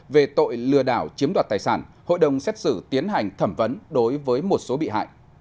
về tội lừa đảo chiếm đoạt tài sản hội đồng xét xử tiến hành thẩm vấn đối với một số bị hại